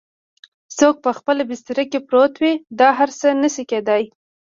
څوک په خپله بستره کې پروت وي دا هر څه نه شي کیدای؟